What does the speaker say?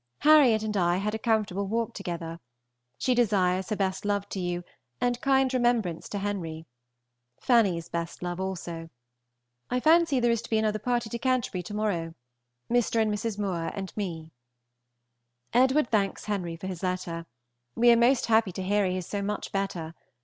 Harriet and I had a comfortable walk together. She desires her best love to you and kind remembrance to Henry. Fanny's best love also. I fancy there is to be another party to Canty. to morrow, Mr. and Mrs. Moore and me. Edward thanks Henry for his letter. We are most happy to hear he is so much better.